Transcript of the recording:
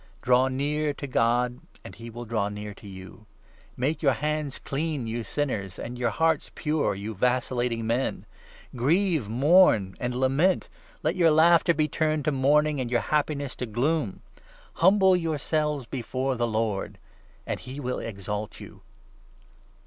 Draw near to God, and he will draw near to you. Make 8 your hands clean, you sinners ; and your hearts pure, you vacillating men ! Grieve, mourn, and lament ! Let your 9 laughter be turned to mourning, and your happiness to gloom ! Humble yourselves before the Lord, and he will exalt you.